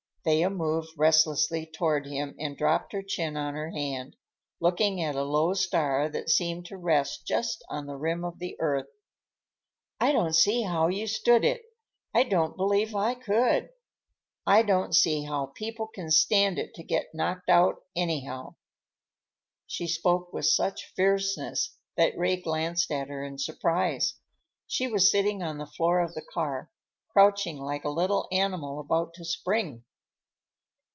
Thea moved restlessly toward him and dropped her chin on her hand, looking at a low star that seemed to rest just on the rim of the earth. "I don't see how you stood it. I don't believe I could. I don't see how people can stand it to get knocked out, anyhow!" She spoke with such fierceness that Ray glanced at her in surprise. She was sitting on the floor of the car, crouching like a little animal about to spring.